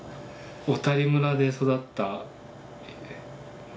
小谷村で育ったね